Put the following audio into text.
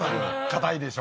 硬いでしょ？